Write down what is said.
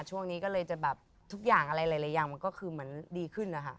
ช่วงนี้ก็เลยจะแบบทุกอย่างอะไรหลายอย่างมันก็คือเหมือนดีขึ้นนะคะ